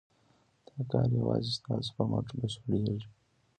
دا کار یوازې ستاسو په مټ بشپړېږي.